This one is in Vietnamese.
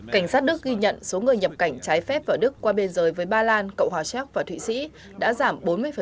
cảnh sát đức ghi nhận số người nhập cảnh trái phép vào đức qua biên giới với ba lan cộng hòa séc và thụy sĩ đã giảm bốn mươi